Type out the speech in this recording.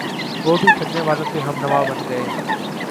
وہ بھی دھرنے والوں کے ہمنوا بن گئے۔